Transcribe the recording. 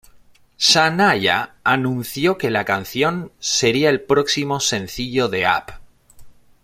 Shania anunció que la canción sería el próximo sencillo de "Up!